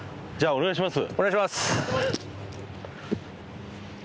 お願いします！